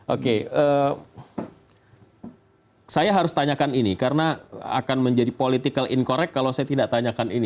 oke saya harus tanyakan ini karena akan menjadi political incorrect kalau saya tidak tanyakan ini